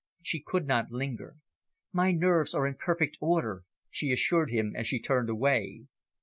She could not linger, "My nerves are in perfect order," she assured him as she turned away.